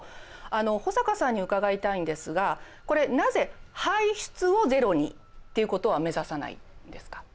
保坂さんに伺いたいんですがこれなぜ排出をゼロにっていうことは目指さないんですか？